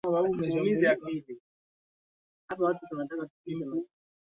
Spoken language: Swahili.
ambapo juma hili atakuwa anaangazia